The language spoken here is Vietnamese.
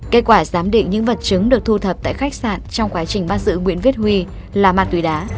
kết quả giám định những vật chứng được thu thập tại khách sạn trong quá trình bắt giữ nguyễn vích huy là mặt tùy đá